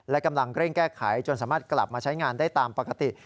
และกำลังเร่งแก้ไขจนสามารถกลับมาใช้งานได้ตามปกติ